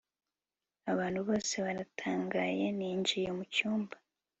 abantu bose baratangaye ninjiye mucyumba